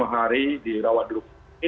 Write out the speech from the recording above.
lima hari dirawat dulu